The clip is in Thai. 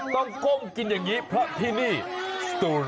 ก้มกินอย่างนี้เพราะที่นี่สตูน